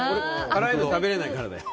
辛いの食べれないからだよ。